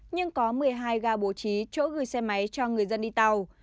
nhưng có một mươi hai ga bổ trí chỗ gửi xe máy cho người dân đi tàu